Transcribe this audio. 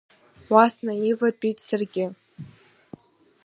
Уа снаиватәеит саргьы.